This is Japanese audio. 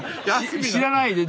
知らないで。